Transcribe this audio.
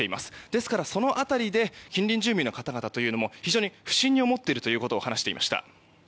ですから、その辺りで近隣住民の方々も非常に不審に思っているということを話していました。